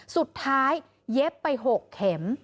สุดท้ายเย็บไป๖เข็ม